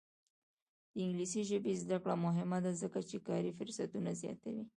د انګلیسي ژبې زده کړه مهمه ده ځکه چې کاري فرصتونه زیاتوي.